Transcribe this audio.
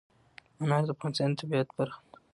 انار د افغانستان د طبیعت برخه ده.